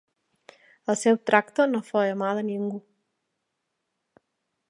El seu tracte no feia mal a ningú.